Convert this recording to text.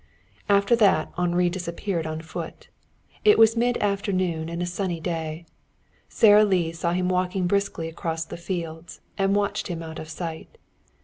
After that Henri disappeared on foot. It was midafternoon and a sunny day. Sara Lee saw him walking briskly across the fields and watched him out of sight.